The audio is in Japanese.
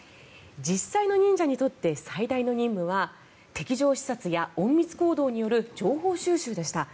実際の忍者にとって最大の任務は敵情視察や隠密行動による情報収集でした。